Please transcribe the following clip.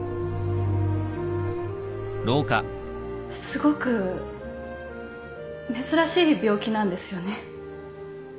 すごく珍しい病気なんですよね？